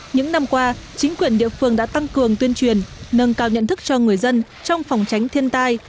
những năm qua chính quyền địa phương đã tăng cường tuyên truyền nâng cao nhận thức cho người dân trong phòng tránh thiên tai